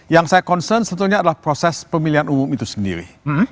yang saya concern sebetulnya adalah proses pemilihan umum itu sendiri